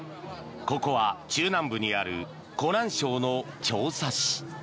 ここは中南部にある湖南省の長沙市。